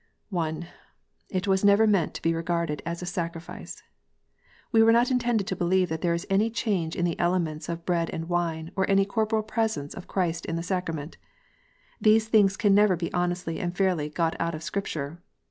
(1) It was never meant to be regarded as a sacrifice. We were not intended to believe that there is any change in the elements of bread and wine, or any corporal presence of Christ in the sacrament. These things can never be honestly and fairly got out of Scripture.